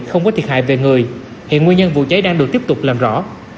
không có thiệt hại về người hiện nguyên nhân vụ cháy đang được tiếp tục làm rõ